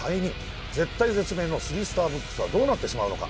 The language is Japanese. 絶体絶命のスリースターブックスはどうなってしまうのか？